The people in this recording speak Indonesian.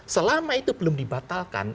selama itu belum dibatalkan